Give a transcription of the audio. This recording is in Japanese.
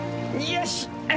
よし